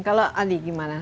kalau ali gimana